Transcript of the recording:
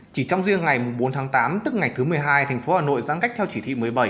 chỉ trong riêng ngày bốn tháng tám tức ngày thứ một mươi hai thành phố hà nội giãn cách theo chỉ thị một mươi bảy